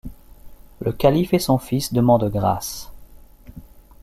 Le Calife et son fils demandent grâce.